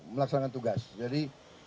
melaksanakan tugas jadi